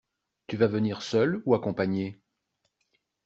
Tu vas venir seul ou accompagné?